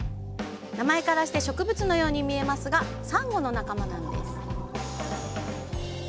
名前からして植物のように見えますがサンゴの仲間なんです。